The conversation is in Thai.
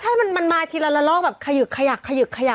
แต่ว่าใช่มันมาทีละละลอกแบบขยึกขยักไปเรื่อย